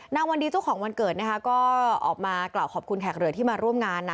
วันดีเจ้าของวันเกิดนะคะก็ออกมากล่าวขอบคุณแขกเหลือที่มาร่วมงานนะ